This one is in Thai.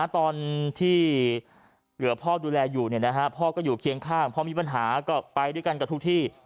ตอนที่เหลือพ่อดูแลอยู่พ่อก็อยู่เคียงข้างพอมีปัญหาก็ไปด้วยกันกับทุกที่